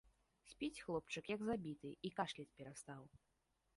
Спіць хлопчык, як забіты, і кашляць перастаў.